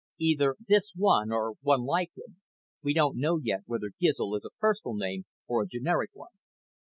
"Either this one or one like him. We don't know yet whether Gizl is a personal name or a generic one."